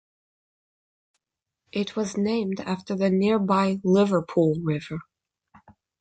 It was named after the nearby Liverpool River.